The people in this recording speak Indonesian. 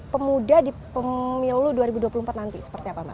pemuda di pemilu dua ribu dua puluh empat nanti seperti apa mbak